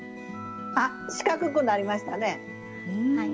あっ四角くなりましたね。